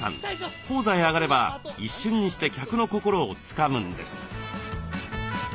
高座へ上がれば一瞬にして客の心をつかむんです。